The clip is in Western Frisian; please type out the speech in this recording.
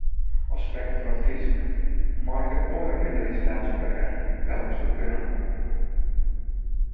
As sprekker fan it Frysk mei ik in oare minderheidstaalsprekker gauris wat gunne.